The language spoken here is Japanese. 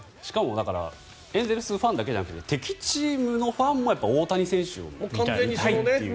エンゼルスファンだけじゃなくて敵チームのファンも大谷選手を見たいっていう。